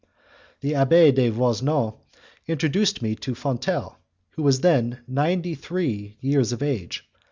The Abbé de Voisenon introduced me to Fontenelle, who was then ninety three years of age.